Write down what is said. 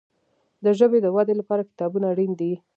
د ژبي د ودي لپاره کتابونه اړین دي.